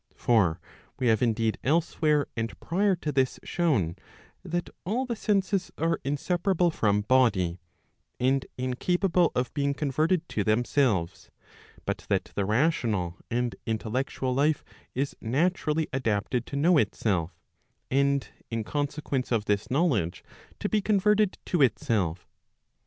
For we have indeed elsewhere and prior to this shown that all the senses are insepara¬ ble from body, and incapable of being converted to themselves, but that the rational and intellectual life is naturally adapted to know itself, and in consequence of this knowledge to be converted to itself.